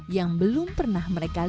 yang belum pernah mereka lakukan